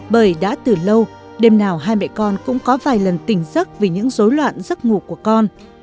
bởi đã từ lâu đêm nào hai mẹ con cũng có vài lần tỉnh giấc vì những dối loạn giấc ngủ của con